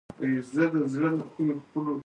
هغه حکومت چې نیوکه ومني پیاوړی پاتې کېږي